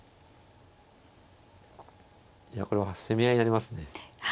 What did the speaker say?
いやこれは攻め合いになりますね。